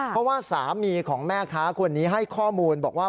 เพราะว่าสามีของแม่ค้าคนนี้ให้ข้อมูลบอกว่า